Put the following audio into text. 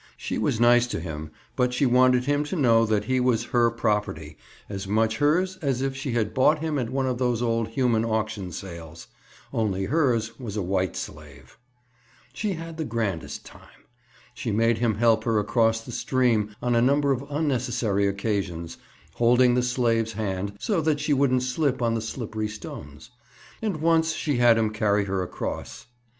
She was nice to him, but she wanted him to know that he was her property, as much hers as if she had bought him at one of those old human auction sales. Only hers was a white slave! She had the grandest time. She made him help her across the stream on a number of unnecessary occasions, holding the slave's hand, so that she wouldn't slip on the slippery stones. And once she had him carry her across.